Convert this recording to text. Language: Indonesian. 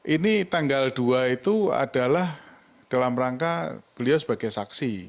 ini tanggal dua itu adalah dalam rangka beliau sebagai saksi